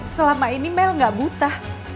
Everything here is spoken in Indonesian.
selama ini mel gak buta